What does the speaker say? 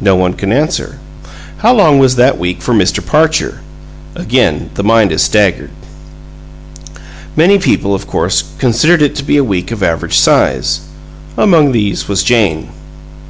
No one can answer. How long was that week for Mr. Parcher? Again the mind is staggered. Many people, of course, considered it to be a week of average size. Among these was Jane.